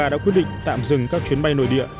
đã quyết định tạm dừng các chuyến bay nội địa